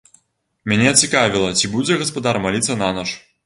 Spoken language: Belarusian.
Мяне цікавіла, ці будзе гаспадар маліцца нанач.